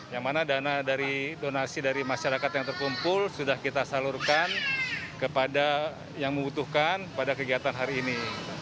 yang mana dana dari donasi dari masyarakat yang terkumpul sudah kita salurkan kepada yang membutuhkan pada kegiatan hari ini